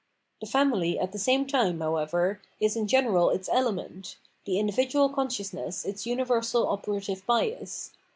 The family at the same time, however, is in general its element, the individual consciousness its universal operative basis.